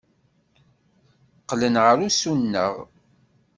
Qqlen ɣer ussuneɣ.